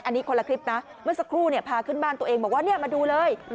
อันนี้คนละคลิปนะเมื่อสักครู่เนี่ยพาขึ้นบ้านตัวเองบอกว่าเนี่ยมาดูเลย